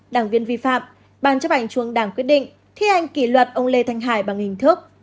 đảng viên vi phạm bàn chấp ảnh chuông đảng quyết định thi hành kỷ luật ông lê thành hải bằng hình thức